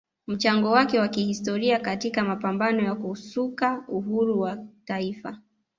mchango wake wa kihistoria katika mapambano ya kusaka uhuru wa taifa